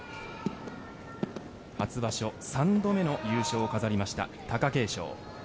初場所３度目の優勝を飾りました貴景勝。